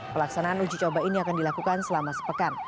pelaksanaan uji coba ini akan dilakukan selama sepekan